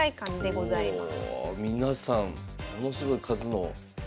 皆さんものすごい数の。